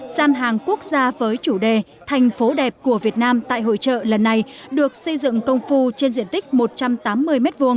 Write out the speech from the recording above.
gian hàng quốc gia với chủ đề thành phố đẹp của việt nam tại hội trợ lần này được xây dựng công phu trên diện tích một trăm tám mươi m hai